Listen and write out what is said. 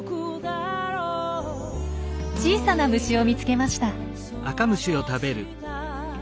小さな虫を見つけました。